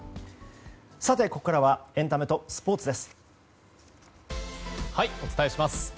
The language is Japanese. ここからはエンタメとスポーツです。